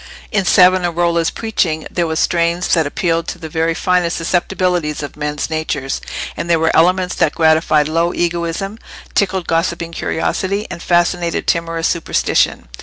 In Savonarola's preaching there were strains that appealed to the very finest susceptibilities of men's natures, and there were elements that gratified low egoism, tickled gossiping curiosity, and fascinated timorous superstition.